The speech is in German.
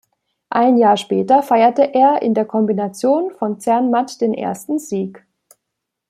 Ein Jahr später feierte er in der Kombination von Zermatt den ersten Sieg.